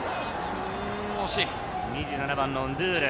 ２７番のンドゥール。